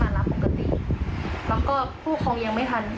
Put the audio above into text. แต่หน้าเด็กน่าจะไม่เป็นเด็กออใช่ไหมคะ